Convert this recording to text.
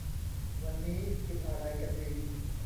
วันนี้กินอะไรกันดี